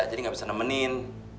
jadi gak bisa nemenin